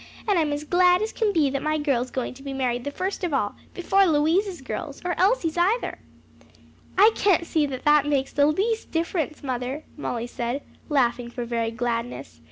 And I'm as glad as can be that my girl's going to be married the first of all before Louise's girls, or Elsie's either!" "I can't see that that makes the least difference, mother," Molly said, laughing for very gladness.